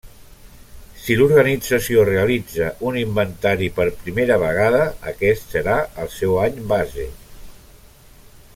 Si l'organització realitza un inventari per primera vegada, aquest serà el seu any base.